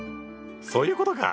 そういうことか！